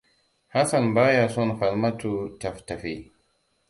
Hassan baya son Falmatatu ta tafi.